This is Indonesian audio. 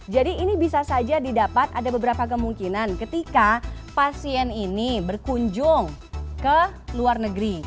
jadi ini bisa saja didapat ada beberapa kemungkinan ketika pasien ini berkunjung ke luar negeri